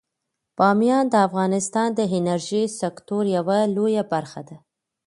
بامیان د افغانستان د انرژۍ د سکتور یوه لویه برخه ده.